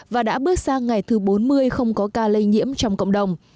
và đã bước sang ngày thứ bốn mươi không có ca lây nhiễm trong cộng đồng